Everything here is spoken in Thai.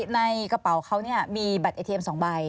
ในกระเป๋าเขามีบัตรเอเทียม๒ใบ